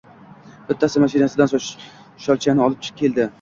Bittasi mashinadan sholchani olib keldi.